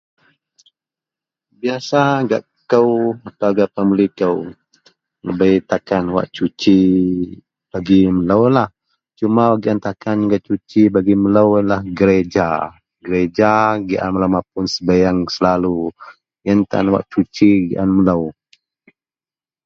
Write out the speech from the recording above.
biasa gak kou atau gak family kou, debei takan wak suci bagi meloulah, Cuma wak giaan takan wak suci bagi melou ienlah gereja, gereja giaan melou mapun sebieng selalu, ien tan wak suci giaan melou